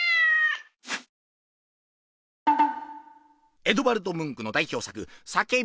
エドヴァルド・ムンクの代表作「叫び」！